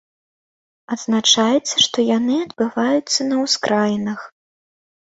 Адзначаецца, што яны адбываюцца на ўскраінах.